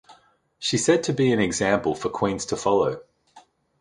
She said to be an example for queens to follow.